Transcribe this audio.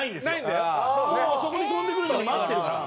もうそこに飛んでくるのを待ってるから。